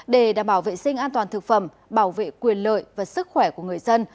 để đảm bảo vệ sinh an toàn thực phẩm bảo vệ quyền lợi và sức khỏe của người dân